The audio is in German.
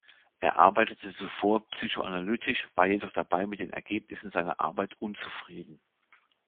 Er arbeitete zuvor psychoanalytisch, war jedoch dabei mit den Ergebnissen seiner Arbeit unzufrieden.